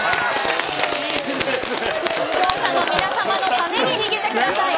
視聴者の皆様のために逃げてください。